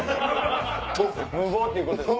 無謀っていうことですか？